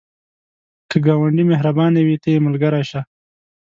که ګاونډی مهربانه وي، ته یې ملګری شه